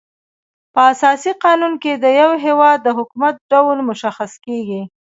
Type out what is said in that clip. په اساسي قانون کي د یو هيواد د حکومت ډول مشخص کيږي.